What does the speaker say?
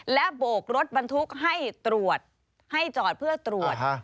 และโบกรถบรรทุกให้ตรวจให้จอดเพื่อตรวจ